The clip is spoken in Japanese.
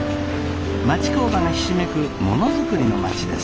町工場がひしめくものづくりの町です。